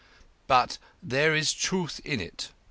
But there is truth in it.